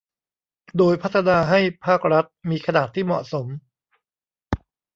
โดยพัฒนาให้ภาครัฐมีขนาดที่เหมาะสม